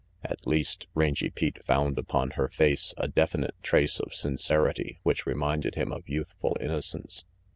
At least, Rangy Pete found upon her face a definite trace of sincerity which reminded him of youthful innocence.